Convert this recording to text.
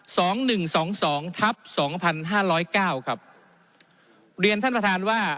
สองหนึ่งสองสองทับสองพันห้าร้อยเก้าครับเรียนท่านประธานว่า